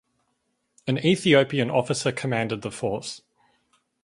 An Ethiopian officer commanded the force.